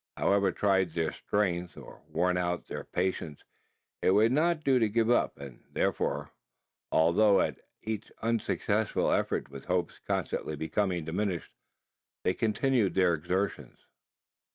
However tried their strength, or worn out their patience, it would not do to give up; and therefore although at each unsuccessful effort, with hopes constantly becoming diminished they continued their exertions.